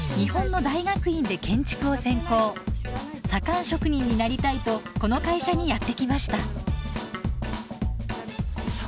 左官職人になりたいとこの会社にやって来ました。